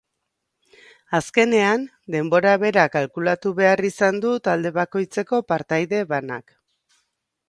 Azkenean, denbora bera kalkulatu behar izan du talde bakoitzeko partaide banak.